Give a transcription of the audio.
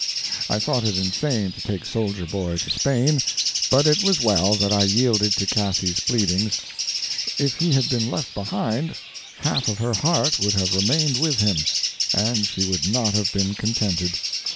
I thought it insane to take Soldier Boy to Spain, but it was well that I yielded to Cathy's pleadings; if he had been left behind, half of her heart would have remained with him, and she would not have been contented.